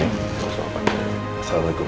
terima kasih pak